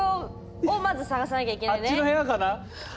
あっちの部屋かな？